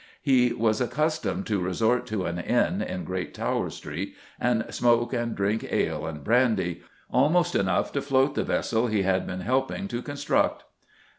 He was accustomed "to resort to an inn in Great Tower Street and smoke and drink ale and brandy, almost enough to float the vessel he had been helping to construct."